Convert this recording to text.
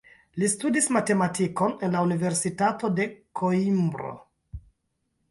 Li studis matematikon en la Universitato de Koimbro.